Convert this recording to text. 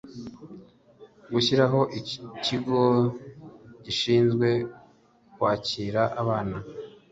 gushyiraho ikigo gishinzwe kwakira abana